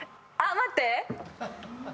待って！